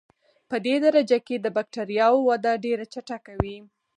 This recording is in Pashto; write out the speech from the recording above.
پدې درجه کې د بکټریاوو وده ډېره چټکه وي.